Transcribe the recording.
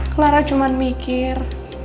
clara cuman mikir